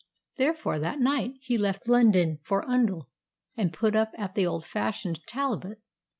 Therefore, that night he left London for Oundle, and put up at the old fashioned "Talbot."